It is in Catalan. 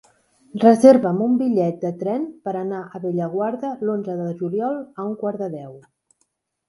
Reserva'm un bitllet de tren per anar a Bellaguarda l'onze de juliol a un quart de deu.